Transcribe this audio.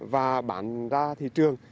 và bán ra thị trường